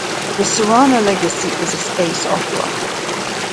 "The Serrano Legacy" is a space opera.